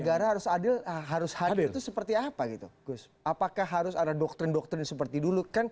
negara harus hadir itu seperti apa gitu apakah harus ada doktrin doktrin seperti dulu